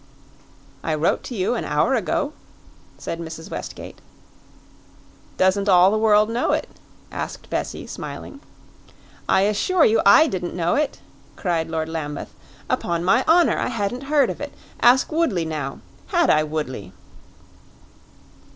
"I wrote to you an hour ago," said Mrs. Westgate. "Doesn't all the world know it?" asked Bessie, smiling. "I assure you I didn't know it!" cried Lord Lambeth. "Upon my honor I hadn't heard of it. Ask Woodley now; had I, Woodley?"